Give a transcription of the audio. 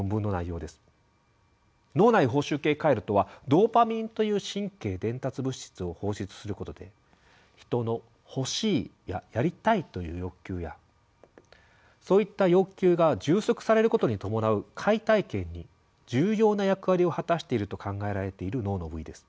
脳内報酬系回路とはドーパミンという神経伝達物質を放出することで人の「欲しい」や「やりたい」という欲求やそういった欲求が充足されることに伴う快体験に重要な役割を果たしていると考えられている脳の部位です。